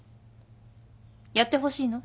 やってほしいの？